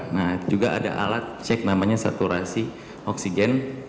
nah juga ada alat cek namanya saturasi oksigen